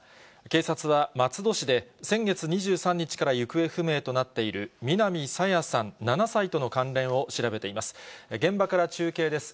警察は松戸市で先月２３日から行方不明となっている南朝芽さん７歳との関連を調べています。